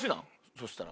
そしたら。